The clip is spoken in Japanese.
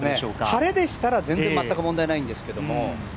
晴れでしたら全く全然問題ないんですけれども。